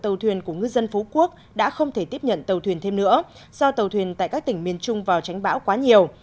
tàu thuyền của ngư dân phú quốc đã không thể tiếp nhận tàu thuyền thêm nữa do tàu thuyền tại các tỉnh miền trung vào tránh bão quá nhiều